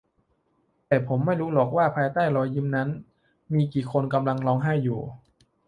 แต่ผมไม่รู้หรอกว่าภายใต้รอยยิ้มนั้นมีกี่คนกำลังร้องไห้อยู่